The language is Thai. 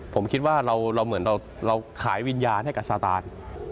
ผมคิดว่าเราเหมือนเราขายวิญญาณให้กับซาตาน